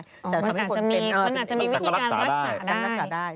มันอาจจะมีวิธีการรักษาได้